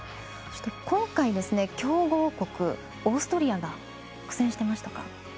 そして今回強豪国オーストリアが苦戦してましたか。